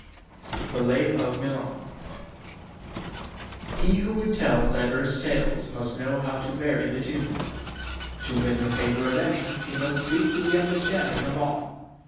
XII THE LAY OF MILON He who would tell divers tales must know how to vary the tune. To win the favour of any, he must speak to the understanding of all.